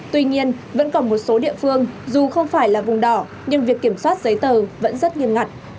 tuy nhiên vẫn còn một số địa phương dù không phải là vùng đỏ nhưng việc kiểm soát giấy tờ vẫn rất nghiêm ngặt